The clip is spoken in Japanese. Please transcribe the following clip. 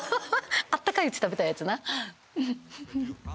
あったかいうち食べたいやつな。